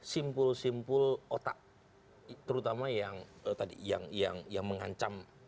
simpul simpul otak terutama yang tadi yang mengancam